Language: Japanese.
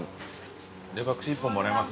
レバ串１本もらいます？